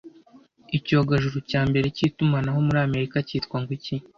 icyogajuru cya mbere cy’itumanaho muri Amerika cyitwa ngwiki?